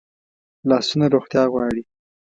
لاسونه روغتیا غواړي